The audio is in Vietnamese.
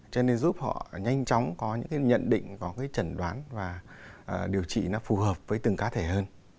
cho nên giúp họ nhanh chóng có những nhận định trần đoán và điều trị phù hợp với từng cá thể hơn